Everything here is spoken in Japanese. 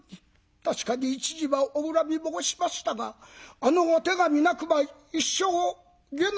確かに一時はお恨み申しましたがあのお手紙なくば一生下男で終わりましたろうに。